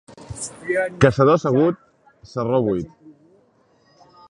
Caçador assegut, sarró buit.